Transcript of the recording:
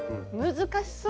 難しそう。